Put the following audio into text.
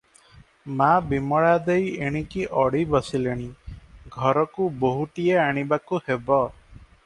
ମା ବିମଳା ଦେଈ ଏଣିକି ଅଡ଼ି ବସିଲେଣି, ଘରକୁ ବୋହୁଟିଏ ଆଣିବାକୁ ହେବ ।